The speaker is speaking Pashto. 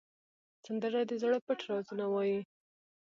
سندره د زړه پټ رازونه وایي